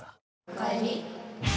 おかえり。